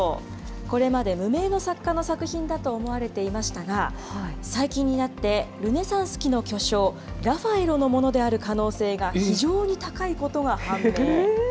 これまで無名の作家の作品だと思われていましたが、最近になってルネサンス期の巨匠、ラフェエロのものである可能性が非常に高いことが判明。